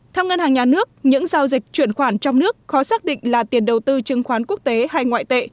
theo ngân hàng nhà nước những giao dịch chuyển khoản trong nước khó xác định là tiền đầu tư chứng khoán quốc tế hay ngoại tệ